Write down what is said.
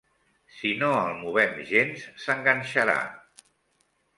Si no el movem gens, s'enganxarà.